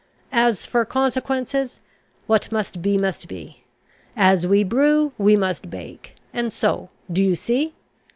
As for consequences, what must be must be. As we brew we must bake. And so, do you see?